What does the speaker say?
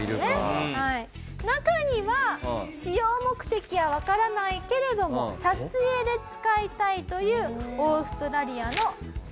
中には使用目的はわからないけれども撮影で使いたいというオーストラリアのセクシーな女優さん。